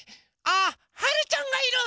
あっはるちゃんがいる！